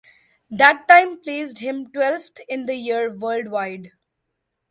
That time placed him twelfth in the year worldwide.